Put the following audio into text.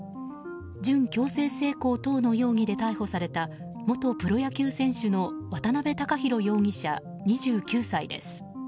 準強制性交等の容疑で逮捕された元プロ野球選手の渡辺貴洋容疑者、２９歳です。